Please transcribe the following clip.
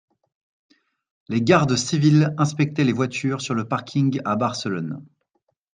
Les gardes civils inspectaient les voitures sur le parking à Barcelone.